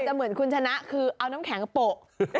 หรือว่าคุณชนะคือเอาน้ำแข็งป่น